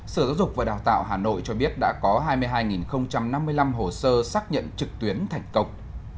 sở giáo dục và đào tạo hà nội cho biết đã có hai mươi hai năm mươi năm hồ sơ xác nhận trực tuyến thành công